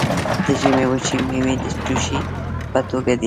د ژمي وچې میوې د توشې په توګه دي.